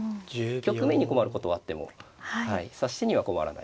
局面に困ることはあっても指し手には困らないですね。